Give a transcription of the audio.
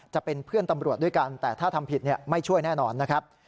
จะเป็นเพื่อนตำรวจด้วยกันแต่ถ้าทำผิดไม่ช่วยแน่นอนนะครับ